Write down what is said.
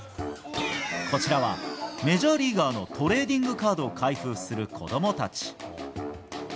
こちらはメジャーリーガーのトレーディングカードを開封する子供たち。